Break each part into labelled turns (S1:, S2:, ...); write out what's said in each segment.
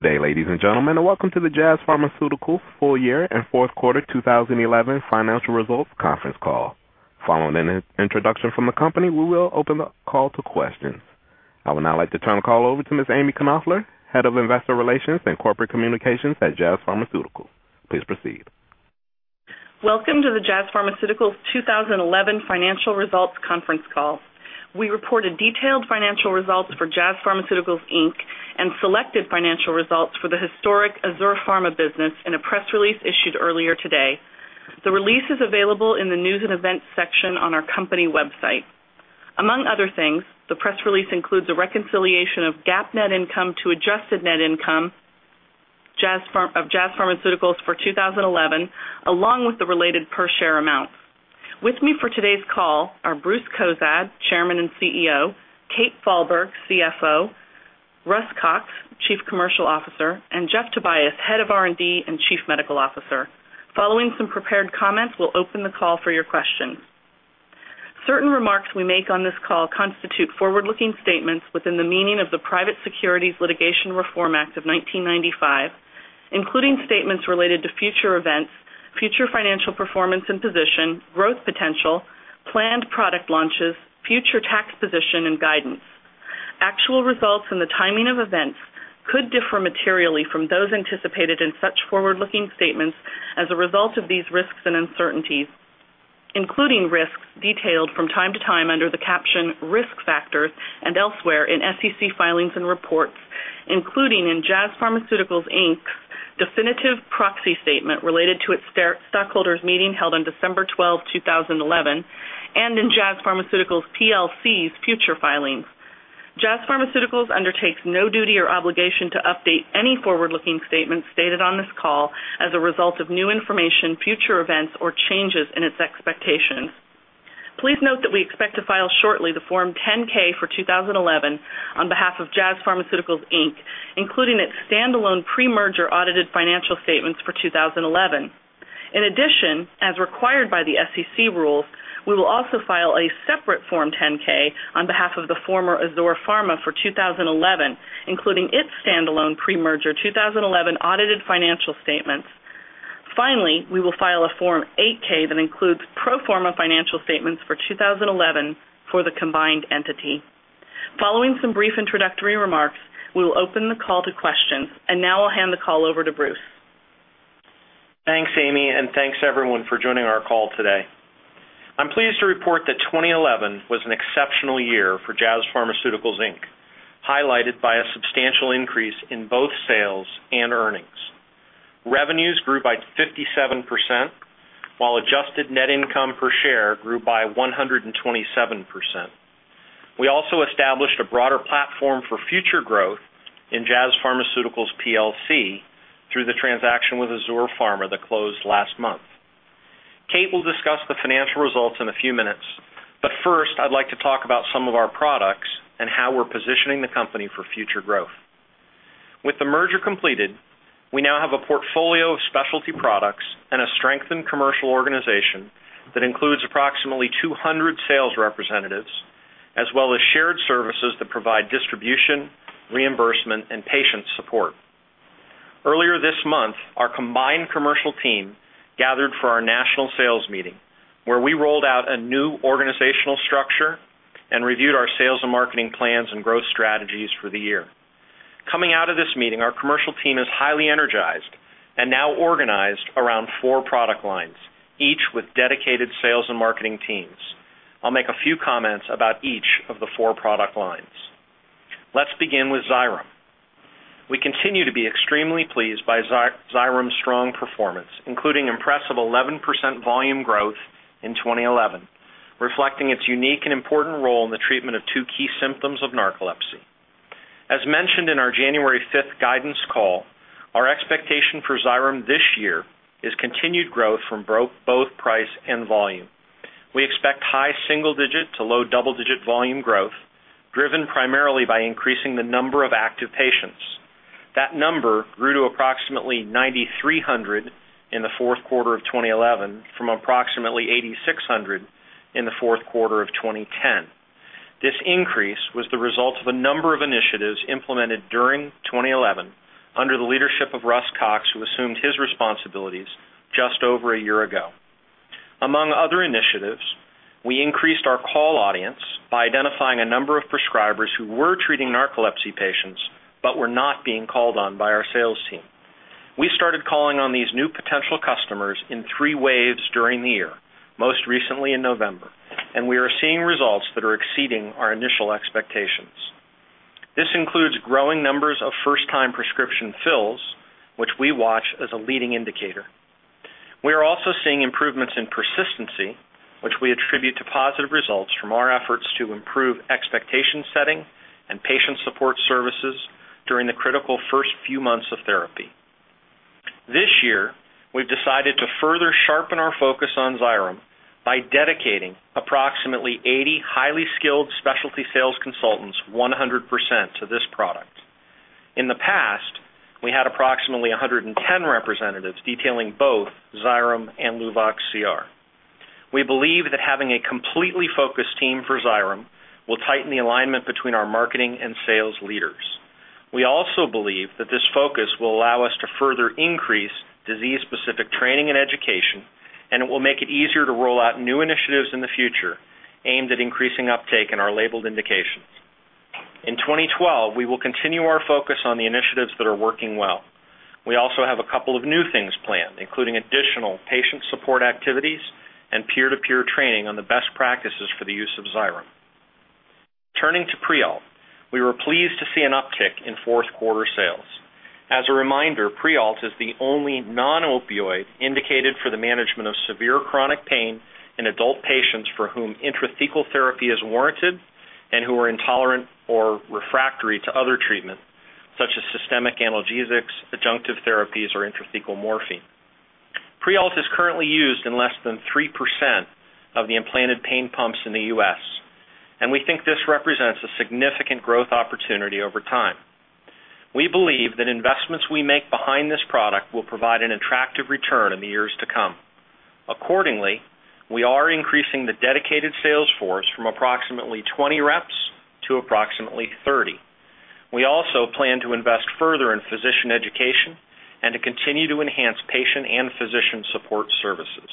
S1: Good day, ladies and gentlemen, and welcome to the Jazz Pharmaceuticals full year and fourth quarter 2011 financial results conference call. Following an introduction from the company, we will open the call to questions. I would now like to turn the call over to Ms. Ami Knoefler, Head of Investor Relations and Corporate Communications at Jazz Pharmaceuticals. Please proceed.
S2: Welcome to the Jazz Pharmaceuticals 2011 financial results conference call. We reported detailed financial results for Jazz Pharmaceuticals Inc. and selected financial results for the historic Azur Pharma business in a press release issued earlier today. The release is available in the news and events section on our company website. Among other things, the press release includes a reconciliation of GAAP net income to adjusted net income of Jazz Pharmaceuticals for 2011, along with the related per share amounts. With me for today's call are Bruce Cozadd, Chairman and CEO, Kathryn Falberg, CFO, Russell Cox, Chief Commercial Officer, and Jeffrey Tobias, Head of R&D and Chief Medical Officer. Following some prepared comments, we'll open the call for your questions. Certain remarks we make on this call constitute forward-looking statements within the meaning of the Private Securities Litigation Reform Act of 1995, including statements related to future events, future financial performance and position, growth potential, planned product launches, future tax position and guidance. Actual results and the timing of events could differ materially from those anticipated in such forward-looking statements as a result of these risks and uncertainties, including risks detailed from time to time under the caption Risk Factors and elsewhere in SEC filings and reports, including in Jazz Pharmaceuticals Inc.'s definitive proxy statement related to its stockholders' meeting held on December 12, 2011, and in Jazz Pharmaceuticals PLC's future filings. Jazz Pharmaceuticals undertakes no duty or obligation to update any forward-looking statements stated on this call as a result of new information, future events, or changes in its expectations. Please note that we expect to file shortly the Form 10-K for 2011 on behalf of Jazz Pharmaceuticals, Inc., including its standalone pre-merger audited financial statements for 2011. In addition, as required by the SEC rules, we will also file a separate Form 10-K on behalf of the former Azur Pharma for 2011, including its standalone pre-merger 2011 audited financial statements. Finally, we will file a Form 8-K that includes pro forma financial statements for 2011 for the combined entity. Following some brief introductory remarks, we will open the call to questions, and now I'll hand the call over to Bruce.
S3: Thanks, Ami, and thanks everyone for joining our call today. I'm pleased to report that 2011 was an exceptional year for Jazz Pharmaceuticals, Inc., highlighted by a substantial increase in both sales and earnings. Revenues grew by 57%, while adjusted net income per share grew by 127%. We also established a broader platform for future growth in Jazz Pharmaceuticals PLC through the transaction with Azur Pharma that closed last month. Kate will discuss the financial results in a few minutes, but first, I'd like to talk about some of our products and how we're positioning the company for future growth. With the merger completed, we now have a portfolio of specialty products and a strengthened commercial organization that includes approximately 200 sales representatives, as well as shared services that provide distribution, reimbursement, and patient support. Earlier this month, our combined commercial team gathered for our national sales meeting, where we rolled out a new organizational structure and reviewed our sales and marketing plans and growth strategies for the year. Coming out of this meeting, our commercial team is highly energized and now organized around four product lines, each with dedicated sales and marketing teams. I'll make a few comments about each of the four product lines. Let's begin with Xyrem. We continue to be extremely pleased by Xyrem's strong performance, including impressive 11% volume growth in 2011, reflecting its unique and important role in the treatment of two key symptoms of narcolepsy. As mentioned in our January 5 guidance call, our expectation for Xyrem this year is continued growth from both price and volume. We expect high single-digit to low double-digit volume growth, driven primarily by increasing the number of active patients. That number grew to approximately 9,300 in the fourth quarter of 2011 from approximately 8,600 in the fourth quarter of 2010. This increase was the result of a number of initiatives implemented during 2011 under the leadership of Russell Cox, who assumed his responsibilities just over a year ago. Among other initiatives, we increased our call audience by identifying a number of prescribers who were treating narcolepsy patients but were not being called on by our sales team. We started calling on these new potential customers in three waves during the year, most recently in November, and we are seeing results that are exceeding our initial expectations. This includes growing numbers of first-time prescription fills, which we watch as a leading indicator. We are also seeing improvements in persistency, which we attribute to positive results from our efforts to improve expectation setting and patient support services during the critical first few months of therapy. This year, we've decided to further sharpen our focus on Xyrem by dedicating approximately 80 highly skilled specialty sales consultants 100% to this product. In the past, we had approximately 110 representatives detailing both Xyrem and Luvox CR. We believe that having a completely focused team for Xyrem will tighten the alignment between our marketing and sales leaders. We also believe that this focus will allow us to further increase disease-specific training and education, and it will make it easier to roll out new initiatives in the future aimed at increasing uptake in our labeled indications. In 2012, we will continue our focus on the initiatives that are working well. We also have a couple of new things planned, including additional patient support activities and peer-to-peer training on the best practices for the use of Xyrem. Turning to Prialt, we were pleased to see an uptick in fourth quarter sales. As a reminder, Prialt is the only non-opioid indicated for the management of severe chronic pain in adult patients for whom intrathecal therapy is warranted and who are intolerant or refractory to other treatments such as systemic analgesics, adjunctive therapies or intrathecal morphine. Prialt is currently used in less than 3% of the implanted pain pumps in the U.S., and we think this represents a significant growth opportunity over time. We believe that investments we make behind this product will provide an attractive return in the years to come. Accordingly, we are increasing the dedicated sales force from approximately 20 reps to approximately 30. We also plan to invest further in physician education and to continue to enhance patient and physician support services.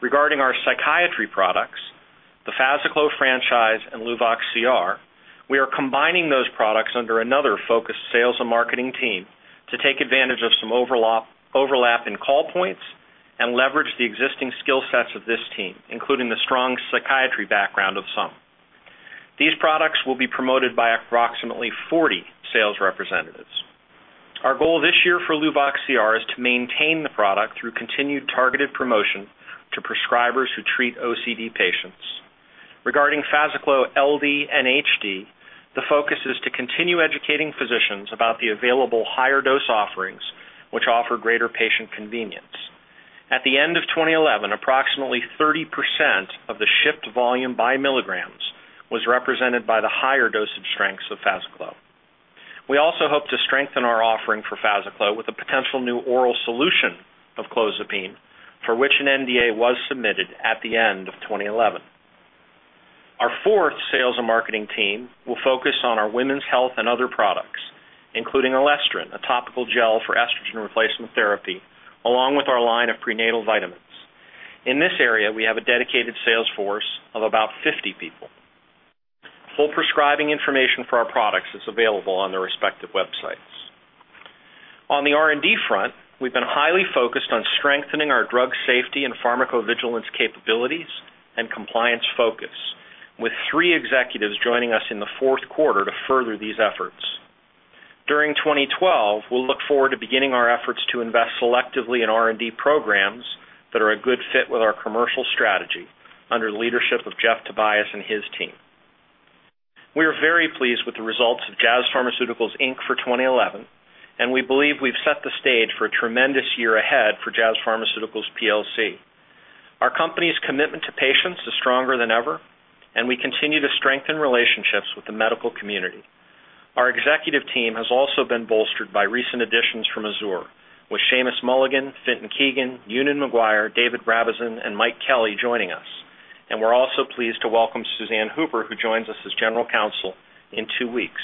S3: Regarding our psychiatry products, the FazaClo franchise and Luvox CR, we are combining those products under another focused sales and marketing team to take advantage of some overlap in call points and leverage the existing skill sets of this team, including the strong psychiatry background of some. These products will be promoted by approximately 40 sales representatives. Our goal this year for Luvox CR is to maintain the product through continued targeted promotion to prescribers who treat OCD patients. Regarding FazaClo LD and HD, the focus is to continue educating physicians about the available higher dose offerings, which offer greater patient convenience. At the end of 2011, approximately 30% of the shipped volume by milligrams was represented by the higher dosage strengths of FazaClo. We also hope to strengthen our offering for FazaClo with a potential new oral solution of clozapine for which an NDA was submitted at the end of 2011. Our fourth sales and marketing team will focus on our women's health and other products, including Elestrin, a topical gel for estrogen replacement therapy, along with our line of prenatal vitamins. In this area, we have a dedicated sales force of about 50 people. Full prescribing information for our products is available on their respective websites. On the R&D front, we've been highly focused on strengthening our drug safety and pharmacovigilance capabilities and compliance focus, with three executives joining us in the fourth quarter to further these efforts. During 2012, we'll look forward to beginning our efforts to invest selectively in R&D programs that are a good fit with our commercial strategy under the leadership of Jeffrey Tobias and his team. We are very pleased with the results of Jazz Pharmaceuticals, Inc. for 2011, and we believe we've set the stage for a tremendous year ahead for Jazz Pharmaceuticals PLC. Our company's commitment to patients is stronger than ever, and we continue to strengthen relationships with the medical community. Our executive team has also been bolstered by recent additions from Azur, with Seamus Mulligan, Fintan Keegan, Eunan Maguire, David Rabson and Mike Kelly joining us. We're also pleased to welcome Suzanne Hooper, who joins us as general counsel in two weeks.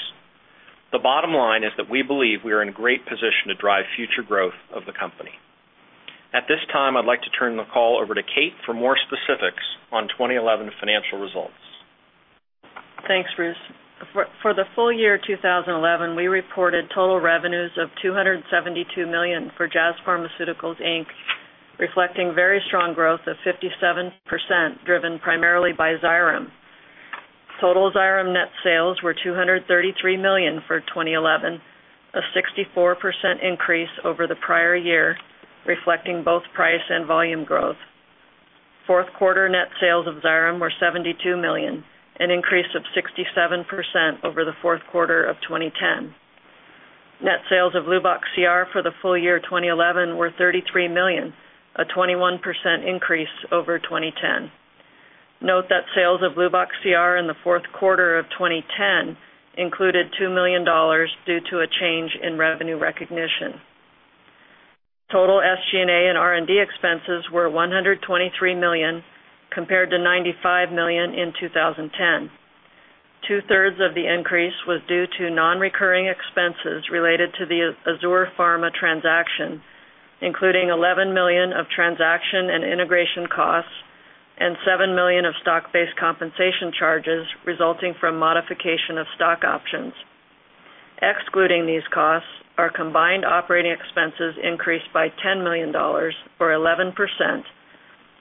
S3: The bottom line is that we believe we are in great position to drive future growth of the company. At this time, I'd like to turn the call over to Kate for more specifics on 2011 financial results.
S4: Thanks, Bruce. For the full year 2011, we reported total revenues of $272 million for Jazz Pharmaceuticals, Inc., reflecting very strong growth of 57%, driven primarily by Xyrem. Total Xyrem net sales were $233 million for 2011, a 64% increase over the prior year, reflecting both price and volume growth. Fourth quarter net sales of Xyrem were $72 million, an increase of 67% over the fourth quarter of 2010. Net sales of Luvox CR for the full year 2011 were $33 million, a 21% increase over 2010. Note that sales of Luvox CR in the fourth quarter of 2010 included $2 million due to a change in revenue recognition. Total SG&A and R&D expenses were $123 million, compared to $95 million in 2010. Two-thirds of the increase was due to non-recurring expenses related to the Azur Pharma transaction, including $11 million of transaction and integration costs and $7 million of stock-based compensation charges resulting from modification of stock options. Excluding these costs, our combined operating expenses increased by $10 million or 11%,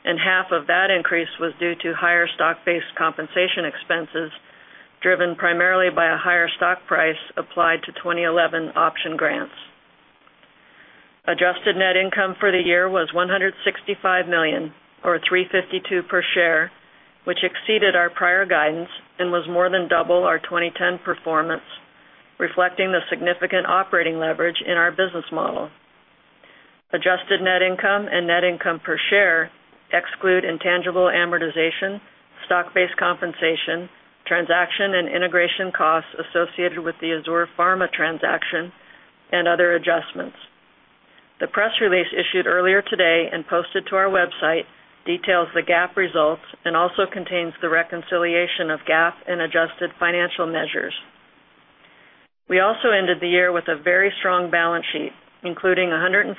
S4: and half of that increase was due to higher stock-based compensation expenses, driven primarily by a higher stock price applied to 2011 option grants. Adjusted net income for the year was $165 million, or $3.52 per share, which exceeded our prior guidance and was more than double our 2010 performance, reflecting the significant operating leverage in our business model. Adjusted net income and net income per share exclude intangible amortization, stock-based compensation, transaction and integration associated with the Azur Pharma transaction and other adjustments. The press release issued earlier today and posted to our website details the GAAP results and also contains the reconciliation of GAAP and adjusted financial measures. We also ended the year with a very strong balance sheet, including $158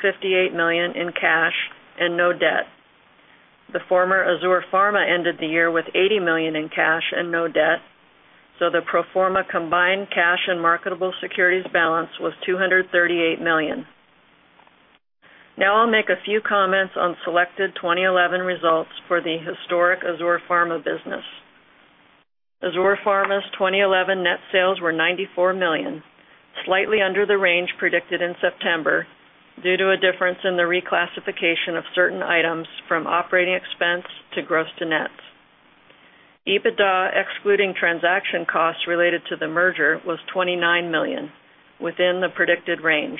S4: million in cash and no debt. The former Azur Pharma ended the year with $80 million in cash and no debt, so the pro forma combined cash and marketable securities balance was $238 million. Now I'll make a few comments on selected 2011 results for the historic Azur Pharma business. Azur Pharma's 2011 net sales were $94 million, slightly under the range predicted in September due to a difference in the reclassification of certain items from operating expense to gross-to-net. EBITDA, excluding transaction costs related to the merger, was $29 million within the predicted range.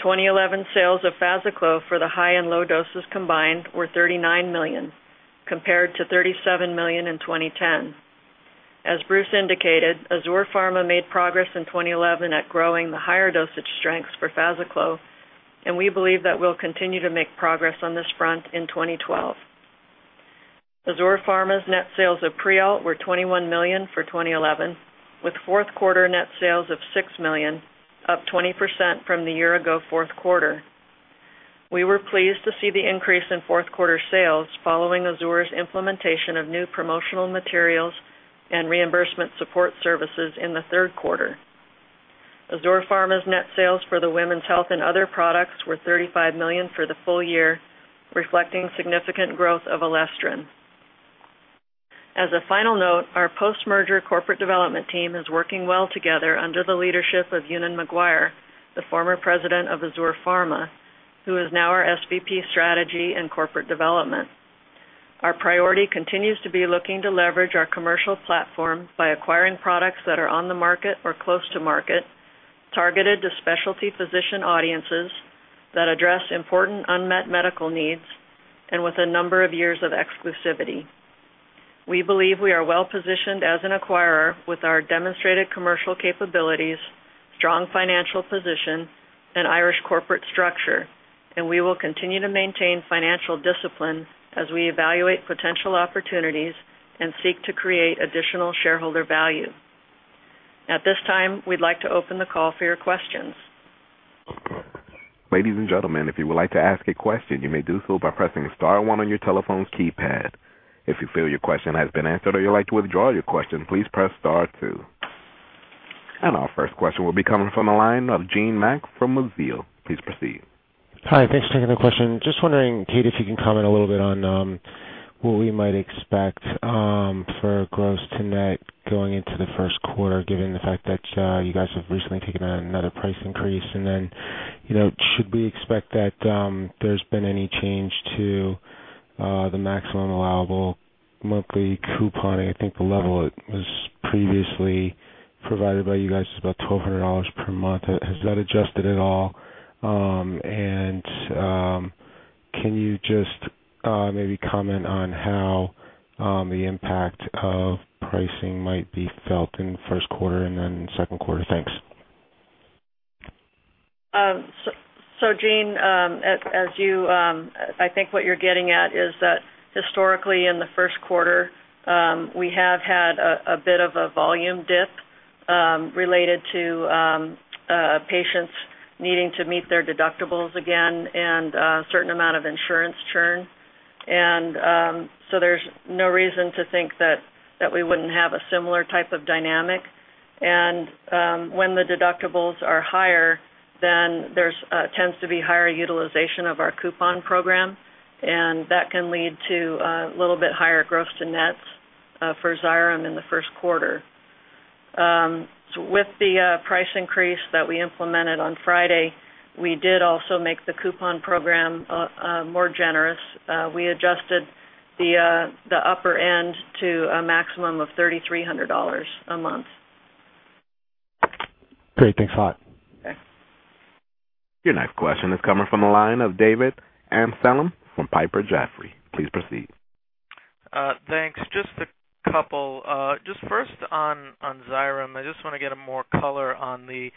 S4: 2011 sales of FazaClo for the high and low doses combined were $39 million, compared to $37 million in 2010. As Bruce indicated, Azur Pharma made progress in 2011 at growing the higher dosage strengths for FazaClo, and we believe that we'll continue to make progress on this front in 2012. Azur Pharma's net sales of Prialt were $21 million for 2011, with fourth quarter net sales of $6 million, up 20% from the year-ago fourth quarter. We were pleased to see the increase in fourth quarter sales following Azur's implementation of new promotional materials and reimbursement support services in the third quarter. Azur Pharma's net sales for the women's health and other products were $35 million for the full year, reflecting significant growth of Elestrin. As a final note, our post-merger corporate development team is working well together under the leadership of Eunan Maguire, the former president of Azur Pharma, who is now our SVP, Strategy and Corporate Development. Our priority continues to be looking to leverage our commercial platform by acquiring products that are on the market or close to market, targeted to specialty physician audiences that address important unmet medical needs and with a number of years of exclusivity. We believe we are well-positioned as an acquirer with our demonstrated commercial capabilities, strong financial position and Irish corporate structure. We will continue to maintain financial discipline as we evaluate potential opportunities and seek to create additional shareholder value. At this time, we'd like to open the call for your questions.
S1: Ladies and gentlemen, if you would like to ask a question, you may do so by pressing star one on your telephone keypad. If you feel your question has been answered or you'd like to withdraw your question, please press star two. Our first question will be coming from the line of Gene Mack from Mizuho. Please proceed.
S5: Hi. Thanks for taking the question. Just wondering, Kate, if you can comment a little bit on what we might expect for gross to net going into the first quarter, given the fact that you guys have recently taken another price increase. You know, should we expect that there's been any change to the maximum allowable monthly couponing? I think the level it was previously provided by you guys is about $1,200 per month. Has that adjusted at all? Can you just maybe comment on how the impact of pricing might be felt in first quarter and then second quarter? Thanks.
S4: So, Gene, as you, I think what you're getting at is that historically in the first quarter, we have had a bit of a volume dip related to patients needing to meet their deductibles again and certain amount of insurance churn. There's no reason to think that we wouldn't have a similar type of dynamic. When the deductibles are higher, then there tends to be higher utilization of our coupon program, and that can lead to little bit higher gross to nets for Xyrem in the first quarter. With the price increase that we implemented on Friday, we did also make the coupon program more generous. We adjusted the upper end to a maximum of $3,300 a month.
S5: Great. Thanks a lot.
S4: Okay.
S1: Your next question is coming from the line of David Amsellem from Piper Jaffray. Please proceed.
S6: Thanks. Just a couple. Just first on Xyrem, I just wanna get more color on the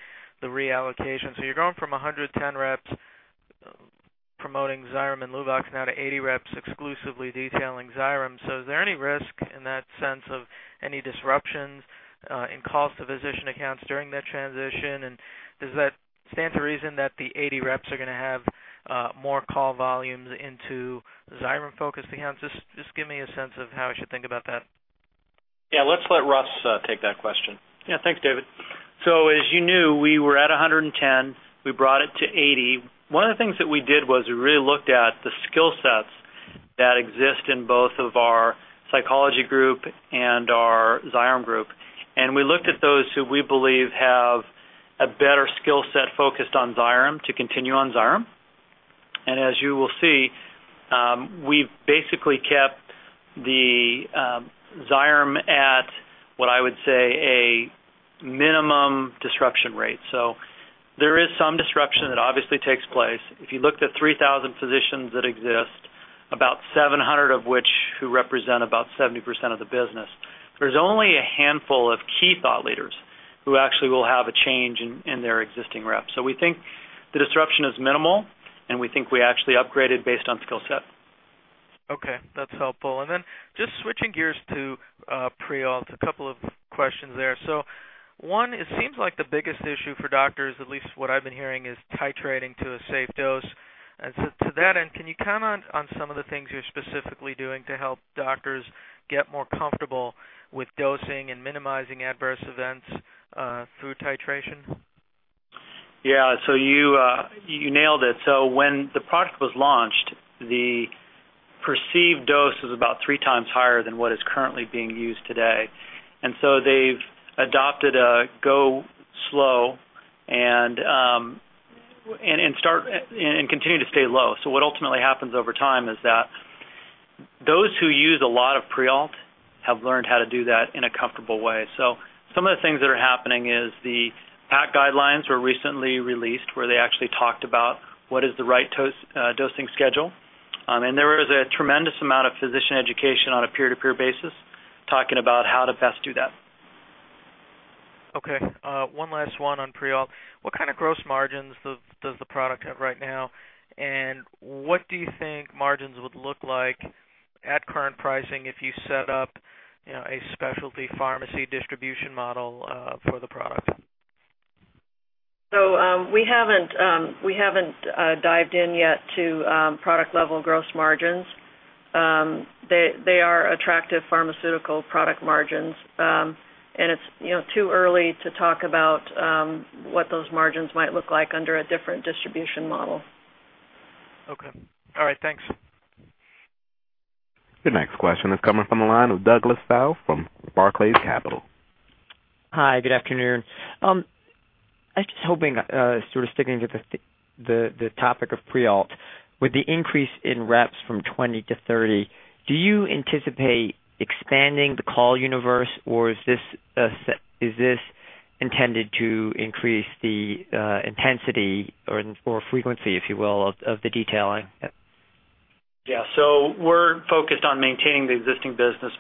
S6: reallocation. You're going from 110 reps promoting Xyrem and Luvox now to 80 reps exclusively detailing Xyrem. Is there any risk in that sense of any disruptions in calls to physician accounts during that transition? Does that stand to reason that the 80 reps are gonna have more call volumes into Xyrem-focused accounts? Just give me a sense of how I should think about that.
S3: Yeah. Let's let Russ take that question.
S7: Yeah. Thanks, David. As you knew, we were at 110. We brought it to 80. One of the things that we did was we really looked at the skill sets that exist in both of our psychology group and our Xyrem group. We looked at those who we believe have a better skill set focused on Xyrem to continue on Xyrem. As you will see, we've basically kept the Xyrem at what I would say a minimum disruption rate. There is some disruption that obviously takes place. If you looked at 3,000 physicians that exist. About 700 of which represent about 70% of the business. There's only a handful of key thought leaders who actually will have a change in their existing rep. We think the disruption is minimal, and we think we actually upgraded based on skill set.
S6: Okay, that's helpful. Just switching gears to Prialt, a couple of questions there. One, it seems like the biggest issue for doctors, at least what I've been hearing, is titrating to a safe dose. To that end, can you comment on some of the things you're specifically doing to help doctors get more comfortable with dosing and minimizing adverse events through titration?
S7: Yeah. You nailed it. When the product was launched, the perceived dose was about three times higher than what is currently being used today. They've adopted a go slow and start and continue to stay low. What ultimately happens over time is that those who use a lot of Prialt have learned how to do that in a comfortable way. Some of the things that are happening is the PACC guidelines were recently released, where they actually talked about what is the right dose, dosing schedule. There is a tremendous amount of physician education on a peer-to-peer basis talking about how to best do that.
S6: Okay. One last one on Prialt. What kind of gross margins does the product have right now? And what do you think margins would look like at current pricing if you set up, you know, a specialty pharmacy distribution model for the product?
S4: We haven't dived in yet to product level gross margins. They are attractive pharmaceutical product margins. It's, you know, too early to talk about what those margins might look like under a different distribution model.
S6: Okay. All right. Thanks.
S1: Your next question is coming from the line of Douglas Tsao from Barclays Capital.
S8: Hi. Good afternoon. I was just hoping, sort of sticking to the topic of Prialt. With the increase in reps from 20 to 30, do you anticipate expanding the call universe, or is this intended to increase the intensity or frequency, if you will, of the detailing?
S7: We're focused on maintaining the existing business,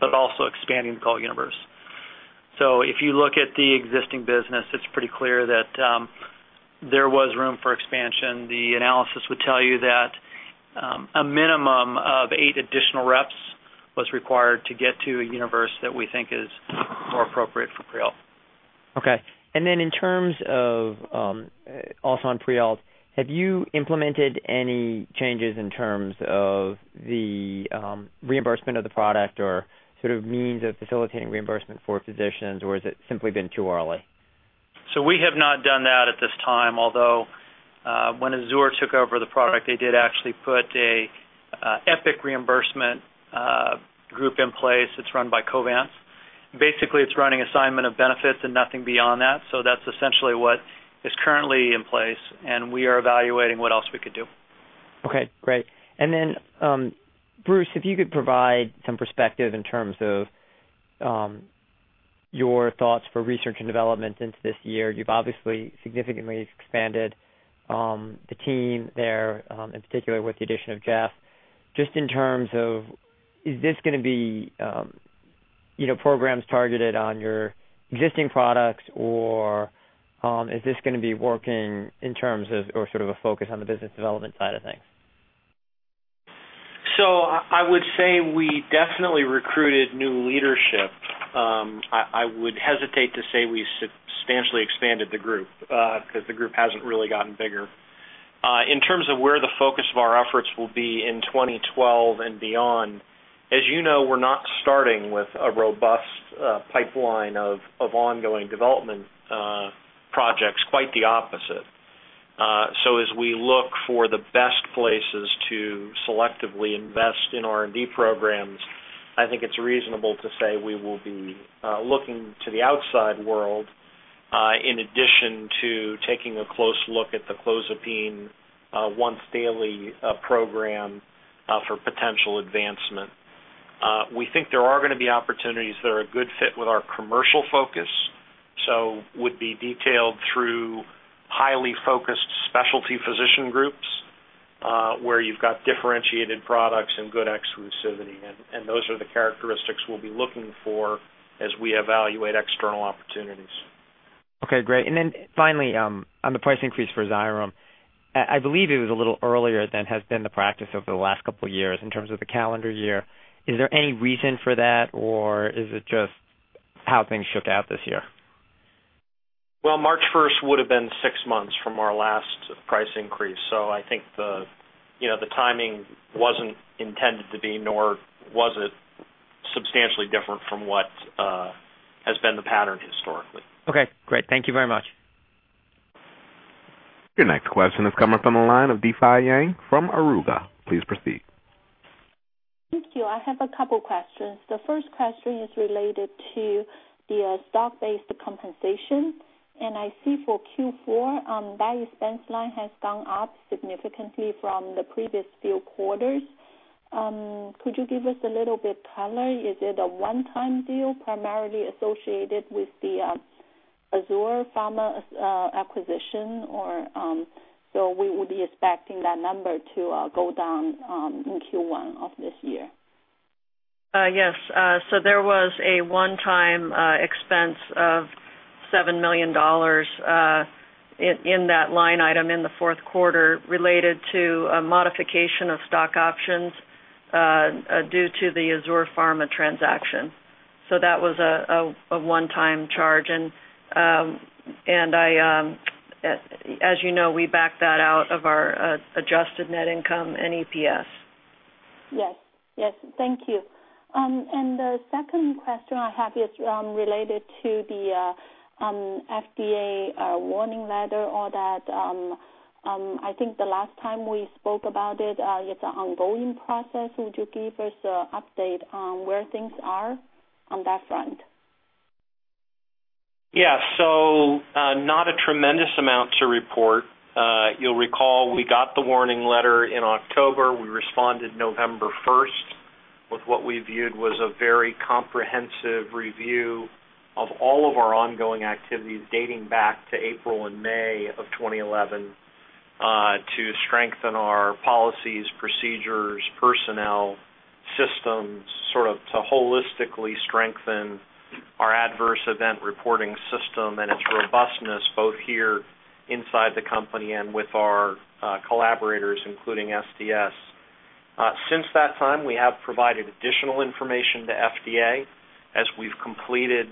S7: but also expanding the call universe. If you look at the existing business, it's pretty clear that there was room for expansion. The analysis would tell you that a minimum of eight additional reps was required to get to a universe that we think is more appropriate for Prialt.
S8: Okay. In terms of, also on Prialt, have you implemented any changes in terms of the reimbursement of the product or sort of means of facilitating reimbursement for physicians, or has it simply been too early?
S7: We have not done that at this time. Although, when Azur took over the product, they did actually put a epic reimbursement group in place. It's run by Covance. Basically, it's running assignment of benefits and nothing beyond that. That's essentially what is currently in place, and we are evaluating what else we could do.
S8: Okay, great. Bruce, if you could provide some perspective in terms of your thoughts for research and development into this year. You've obviously significantly expanded the team there in particular with the addition of Jeff. Just in terms of, is this gonna be you know, programs targeted on your existing products, or is this gonna be working in terms of, or sort of a focus on the business development side of things?
S3: I would say we definitely recruited new leadership. I would hesitate to say we substantially expanded the group, because the group hasn't really gotten bigger. In terms of where the focus of our efforts will be in 2012 and beyond, as you know, we're not starting with a robust pipeline of ongoing development projects, quite the opposite. As we look for the best places to selectively invest in R&D programs, I think it's reasonable to say we will be looking to the outside world, in addition to taking a close look at the clozapine once daily program, for potential advancement. We think there are gonna be opportunities that are a good fit with our commercial focus, so would be delivered through highly focused specialty physician groups, where you've got differentiated products and good exclusivity. Those are the characteristics we'll be looking for as we evaluate external opportunities.
S8: Okay, great. Finally, on the price increase for Xyrem, I believe it was a little earlier than has been the practice over the last couple of years in terms of the calendar year. Is there any reason for that, or is it just how things shook out this year?
S3: Well, March first would have been six months from our last price increase. I think the, you know, the timing wasn't intended to be, nor was it substantially different from what has been the pattern historically.
S8: Okay, great. Thank you very much.
S1: Your next question is coming from the line of Difei Yang from Auriga USA. Please proceed.
S9: Thank you. I have a couple questions. The first question is related to the stock-based compensation. I see for Q4 that expense line has gone up significantly from the previous few quarters. Could you give us a little bit color? Is it a one-time deal primarily associated with the Azur Pharma's acquisition or so we would be expecting that number to go down in Q1 of this year.
S4: Yes. So there was a one-time expense of $7 million in that line item in the fourth quarter related to a modification of stock options due to the Azur Pharma transaction. So that was a one-time charge. As you know, we backed that out of our adjusted net income and EPS.
S9: Yes. Yes. Thank you. The second question I have is related to the FDA warning letter or that. I think the last time we spoke about it's an ongoing process. Would you give us an update on where things are on that front?
S3: Yeah. Not a tremendous amount to report. You'll recall we got the warning letter in October. We responded November first with what we viewed was a very comprehensive review of all of our ongoing activities dating back to April and May of 2011, to strengthen our policies, procedures, personnel, systems, sort of to holistically strengthen our adverse event reporting system and its robustness, both here inside the company and with our collaborators, including SDS. Since that time, we have provided additional information to FDA as we've completed,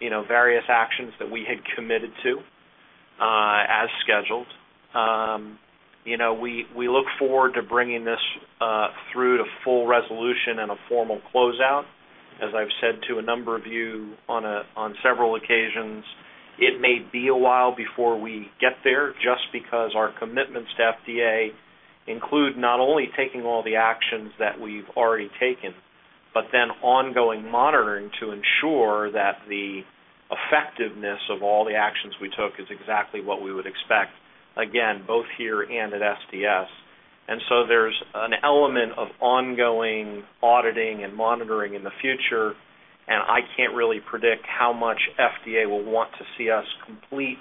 S3: you know, various actions that we had committed to, as scheduled. You know, we look forward to bringing this through to full resolution and a formal closeout. As I've said to a number of you on several occasions, it may be a while before we get there just because our commitments to FDA include not only taking all the actions that we've already taken, but then ongoing monitoring to ensure that the effectiveness of all the actions we took is exactly what we would expect, again, both here and at SDS. There's an element of ongoing auditing and monitoring in the future, and I can't really predict how much FDA will want to see us complete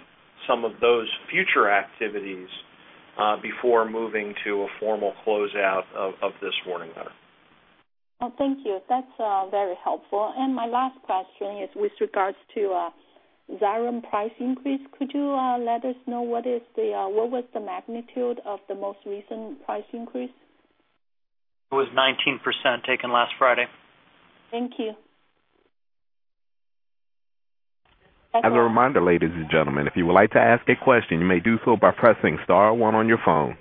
S3: some of those future activities before moving to a formal closeout of this warning letter.
S9: Oh, thank you. That's very helpful. My last question is with regards to Xyrem price increase. Could you let us know what was the magnitude of the most recent price increase?
S3: It was 19% taken last Friday.
S9: Thank you.
S1: As a reminder, ladies and gentlemen, if you would like to ask a question, you may do so by pressing star one on your phone.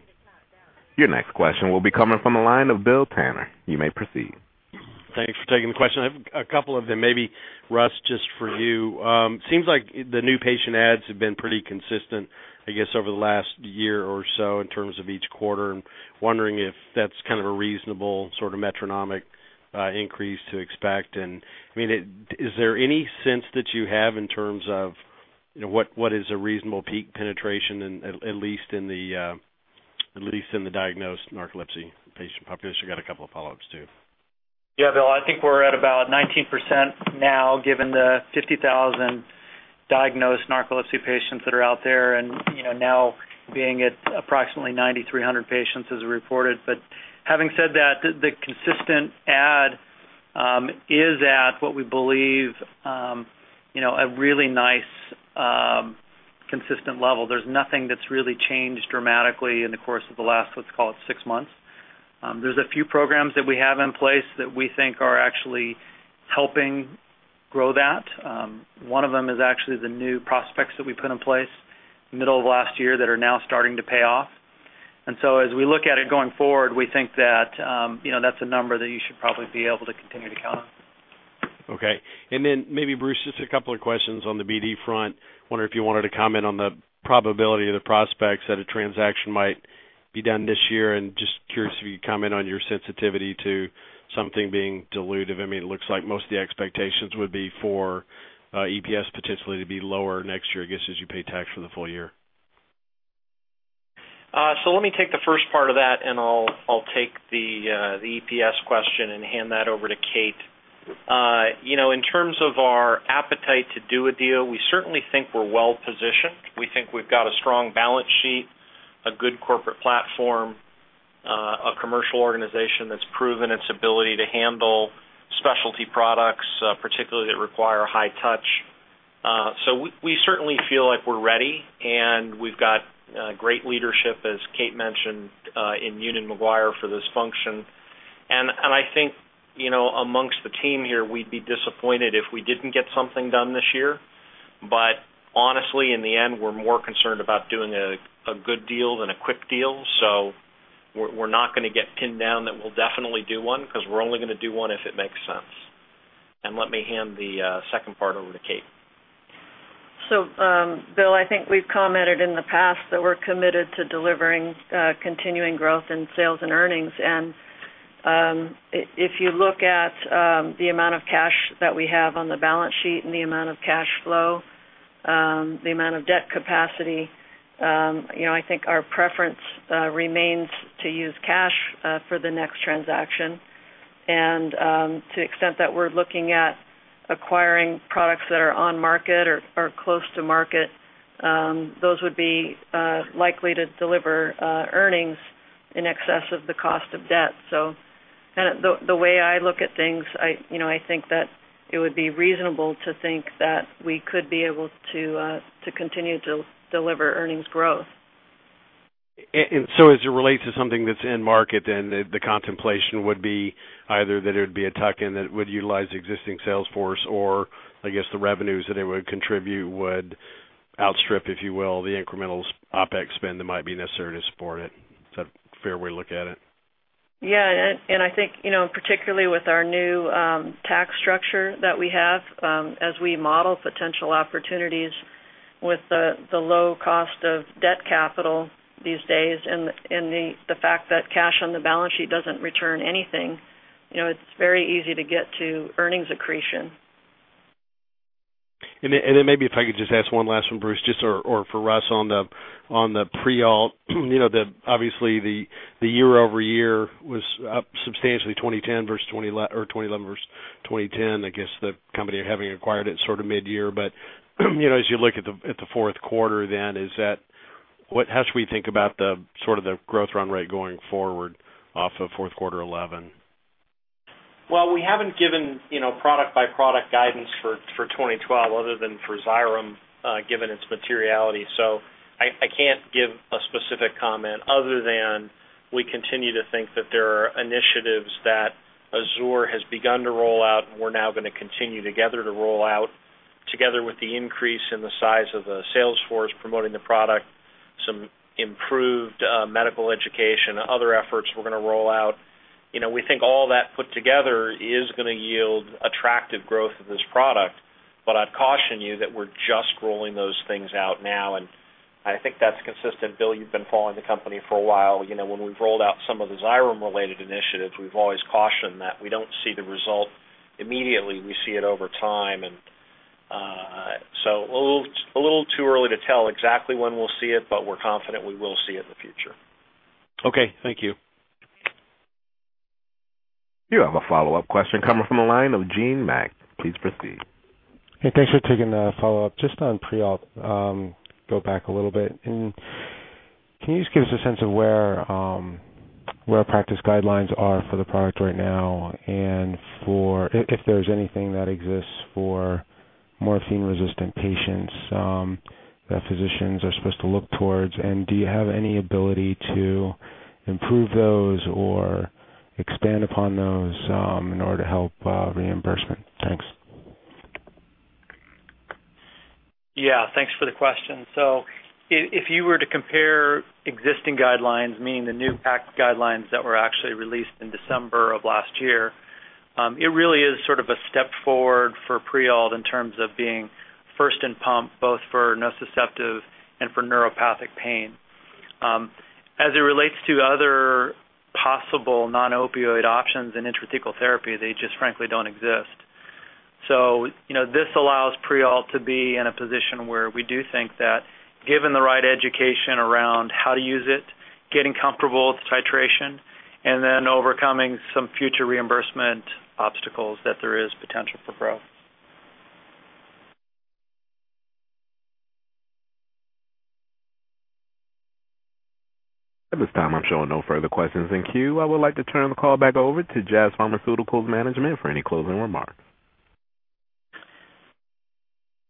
S1: Your next question will be coming from the line of Bill Tanner. You may proceed.
S10: Thanks for taking the question. I have a couple of them. Maybe Russ, just for you. Seems like the new patient ads have been pretty consistent, I guess, over the last year or so in terms of each quarter. I'm wondering if that's kind of a reasonable sort of metronomic increase to expect. I mean, is there any sense that you have in terms of, you know, what is a reasonable peak penetration, at least in the diagnosed narcolepsy patient population? I got a couple of follow-ups too.
S7: Yeah, Bill, I think we're at about 19% now, given the 50,000 diagnosed narcolepsy patients that are out there, and you know, now being at approximately 9,300 patients as reported. But having said that, the consistent adherence is at what we believe you know, a really nice consistent level. There's nothing that's really changed dramatically in the course of the last, let's call it, six months. There's a few programs that we have in place that we think are actually helping grow that. One of them is actually the new prospects that we put in place middle of last year that are now starting to pay off. As we look at it going forward, we think that you know, that's a number that you should probably be able to continue to count on.
S10: Okay. Maybe Bruce, just a couple of questions on the BD front. Wonder if you wanted to comment on the probability or the prospects that a transaction might be done this year. Just curious if you'd comment on your sensitivity to something being dilutive. I mean, it looks like most of the expectations would be for EPS potentially to be lower next year, I guess, as you pay tax for the full year.
S3: Let me take the first part of that, and I'll take the EPS question and hand that over to Kate. You know, in terms of our appetite to do a deal, we certainly think we're well positioned. We think we've got a strong balance sheet, a good corporate platform, a commercial organization that's proven its ability to handle specialty products, particularly that require high touch. We certainly feel like we're ready, and we've got great leadership, as Kate mentioned, in Eunan Maguire for this function. I think, you know, amongst the team here, we'd be disappointed if we didn't get something done this year. Honestly, in the end, we're more concerned about doing a good deal than a quick deal. We're not gonna get pinned down that we'll definitely do one, 'cause we're only gonna do one if it makes sense. Let me hand the second part over to Kathryn Falberg.
S4: Bill, I think we've commented in the past that we're committed to delivering continuing growth in sales and earnings. If you look at the amount of cash that we have on the balance sheet and the amount of cash flow, the amount of debt capacity, you know, I think our preference remains to use cash for the next transaction. To the extent that we're looking at acquiring products that are on market or close to market, those would be likely to deliver earnings in excess of the cost of debt. The way I look at things, you know, I think that it would be reasonable to think that we could be able to to continue to deliver earnings growth.
S10: As it relates to something that's in market, then the contemplation would be either that it would be a tuck-in that would utilize existing sales force or I guess the revenues that it would contribute would outstrip, if you will, the incremental OpEx spend that might be necessary to support it. Is that a fair way to look at it?
S4: Yeah. I think, you know, particularly with our new tax structure that we have, as we model potential opportunities with the low cost of debt capital these days and the fact that cash on the balance sheet doesn't return anything, you know, it's very easy to get to earnings accretion.
S10: Maybe if I could just ask one last one, Bruce. Or for Russ on the Prialt, you know, obviously the year-over-year was up substantially, 2011 versus 2010. I guess the company having acquired it sort of mid-year. You know, as you look at the fourth quarter, then what how should we think about the sort of growth run rate going forward off of fourth quarter 2011?
S3: Well, we haven't given, you know, product-by-product guidance for 2012 other than for Xyrem, given its materiality. I can't give a specific comment other than we continue to think that there are initiatives that Azur has begun to roll out and we're now gonna continue together to roll out together with the increase in the size of the sales force promoting the product, some improved medical education, other efforts we're gonna roll out. You know, we think all that put together is gonna yield attractive growth of this product. But I'd caution you that we're just rolling those things out now, and I think that's consistent. Bill, you've been following the company for a while. You know, when we've rolled out some of the Xyrem-related initiatives, we've always cautioned that we don't see the result immediately. We see it over time. A little too early to tell exactly when we'll see it, but we're confident we will see it in the future.
S10: Okay. Thank you.
S1: You have a follow-up question coming from the line of Gene Mack. Please proceed.
S5: Hey, thanks for taking the follow-up. Just on Prialt, go back a little bit. Can you just give us a sense of where practice guidelines are for the product right now and if there's anything that exists for morphine-resistant patients that physicians are supposed to look towards? Do you have any ability to improve those or expand upon those in order to help reimbursement? Thanks.
S3: Yeah. Thanks for the question. If you were to compare existing guidelines, meaning the new PACC guidelines that were actually released in December of last year, it really is sort of a step forward for Prialt in terms of being first in pump, both for nociceptive and for neuropathic pain. As it relates to other possible non-opioid options in intrathecal therapy, they just frankly don't exist. You know, this allows Prialt to be in a position where we do think that given the right education around how to use it, getting comfortable with titration, and then overcoming some future reimbursement obstacles, that there is potential for growth.
S1: At this time, I'm showing no further questions in queue. I would like to turn the call back over to Jazz Pharmaceuticals management for any closing remarks.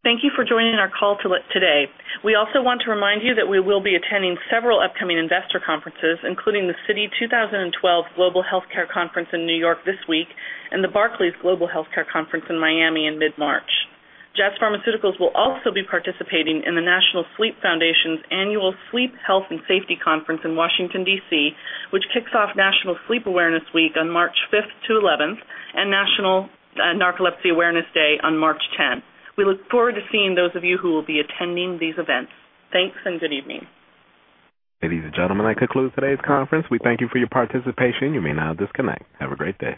S4: Thank you for joining our call today. We also want to remind you that we will be attending several upcoming investor conferences, including the Citi 2012 Global Healthcare Conference in New York this week and the Barclays Global Healthcare Conference in Miami in mid-March. Jazz Pharmaceuticals will also be participating in the National Sleep Foundation's annual Sleep, Health, and Safety Conference in Washington, D.C., which kicks off National Sleep Awareness Week on March fifth to eleventh and National Narcolepsy Awareness Day on March tenth. We look forward to seeing those of you who will be attending these events. Thanks, and good evening.
S1: Ladies and gentlemen, I conclude today's conference. We thank you for your participation. You may now disconnect. Have a great day.